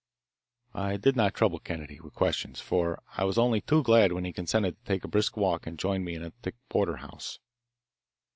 I did not trouble Kennedy with questions, for I was only too glad when he consented to take a brisk walk and join me in a thick porterhouse.